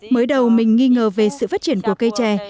mới đầu mình nghi ngờ về sự phát triển của cây trè